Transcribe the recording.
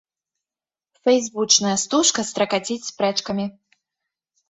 Фэйсбучная стужка стракаціць спрэчкамі.